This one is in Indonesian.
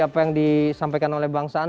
apa yang disampaikan oleh bang saan